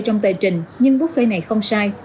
trong tệ trình nhưng bút phê này không sai